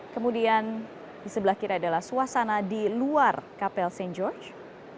kemudian di sebelah kiri adalah suasana di luar kapel st george